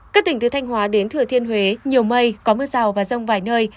các tỉnh từ thanh hóa đến thừa thiên huế nhiều mây có mưa rào và rông vài nơi